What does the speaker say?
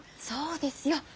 そうですよ。